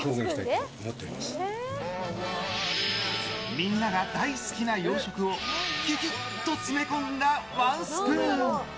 みんなが大好きな洋食をぎゅぎゅっと詰め込んだワンスプーン。